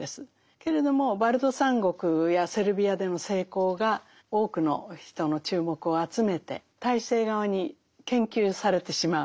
けれどもバルト三国やセルビアでの成功が多くの人の注目を集めて体制側に研究されてしまう。